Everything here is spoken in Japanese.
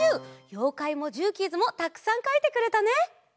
ようかいもジューキーズもたくさんかいてくれたね！